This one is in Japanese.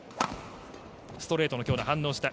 ストレートの強打、反応した。